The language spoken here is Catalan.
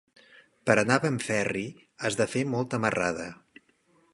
Per anar a Benferri has de fer molta marrada.